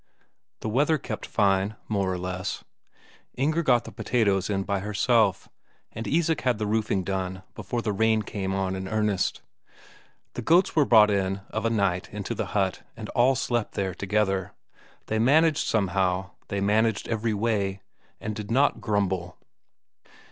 The weather kept fine, more or less. Inger got the potatoes in by herself, and Isak had the roofing done before the rain came on in earnest. The goats were brought in of a night into the hut and all slept there together; they managed somehow, they managed everyway, and did not grumble.